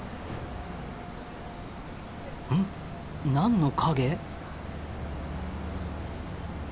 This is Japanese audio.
ん？何の影？